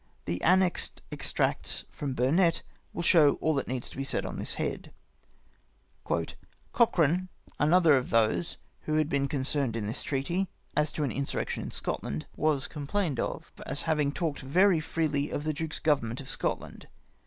The annexed extracts from Burnet will show all that needs be said on this head :—" Cochran, another of those who had been concerned in this treaty [as to an insurrection in Scotland], was com plained of, as having talked very freely of the duke's govern ment of Scotland.